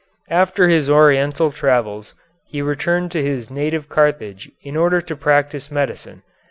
After his Oriental travels he returned to his native Carthage in order to practise medicine.